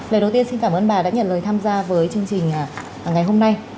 lời đầu tiên xin cảm ơn bà đã nhận lời tham gia với chương trình ngày hôm nay